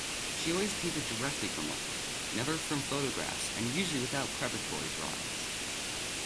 She always painted directly from life: never from photographs and usually without preparatory drawings.